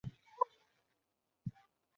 আমার ব্যাগগুলো ধরার জন্য একজন লোক পাঠানো যাবে?